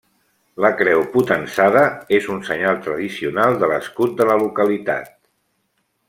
La creu potençada és un senyal tradicional de l'escut de la localitat.